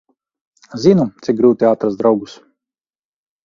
Zinu, cik grūti atrast draugus.